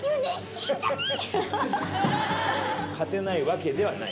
勝てないわけではない。